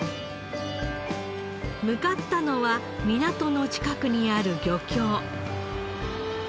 向かったのは港の近くにある漁協。